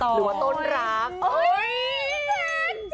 หรือว่าต้นรัก